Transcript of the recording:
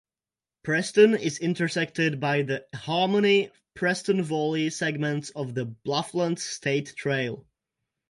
Preston is intersected by the Harmony-Preston Valley segment of the Blufflands State Trail.